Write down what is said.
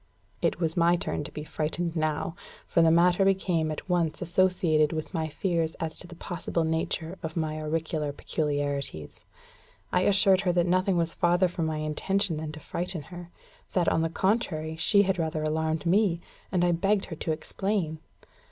It was my turn to be frightened now; for the matter became at once associated with my fears as to the possible nature of my auricular peculiarities. I assured her that nothing was farther from my intention than to frighten her; that, on the contrary, she had rather alarmed me; and I begged her to explain.